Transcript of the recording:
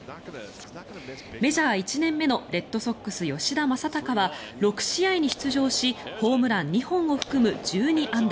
メジャー１年目のレッドソックス、吉田正尚は６試合に出場しホームラン２本を含む１２安打。